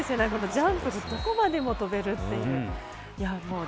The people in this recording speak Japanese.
ジャンプでどこまでも跳べるという。